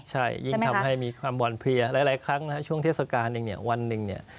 ใช่ยิ่งทำให้มีความบ่อนเพลียหลายครั้งช่วงเทศกาลนึงวันหนึ่ง